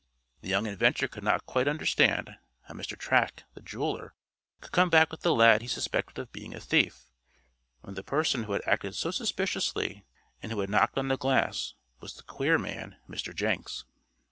The young inventor could not quite understand how Mr. Track, the jeweler, could come back with a lad he suspected of being a thief, when the person who had acted so suspiciously, and who had knocked on the glass, was the queer man, Mr. Jenks.